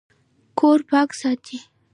کور پاک ساتئ